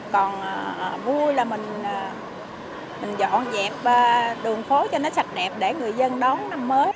còn vui là mình dọn dẹp đường phố cho nó sạch đẹp để người dân đón năm mới